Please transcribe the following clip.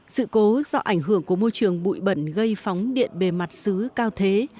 sự cố do ảnh hưởng của môi trường bụi bẩn gây phóng điện bề mặt xứ cao thế